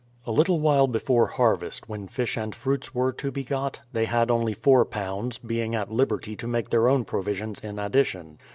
A little while before harvest, when fish and fruits were to be got, they had only 4 lbs., being at liberty to make their own provisions in addition.